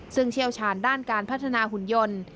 ซึ่งเชี่ยวชาญด้านการพัฒนาหุ่นยนต์